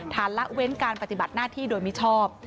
ละเว้นการปฏิบัติหน้าที่โดยมิชอบ